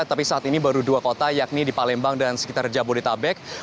tapi saat ini baru dua kota yakni di palembang dan sekitar jabodetabek